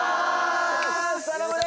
頼むね！